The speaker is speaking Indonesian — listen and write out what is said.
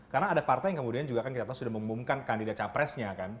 karena ada partai yang kemudian juga sudah mengumumkan kandidat capresnya